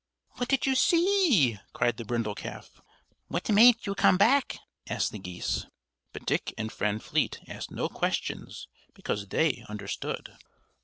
"What did you see?" cried the brindle calf. "What made you come back?" asked the geese; but Dick and Friend Fleet asked no questions, because they understood.